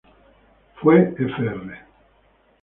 Fue Fr.